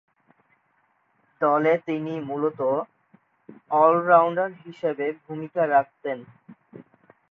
দলে তিনি মূলতঃ অল-রাউন্ডার হিসেবে ভূমিকা রাখতেন।